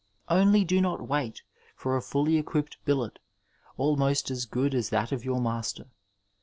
Only do not wait lor a fully equipped billet ahnost as good as that of your master.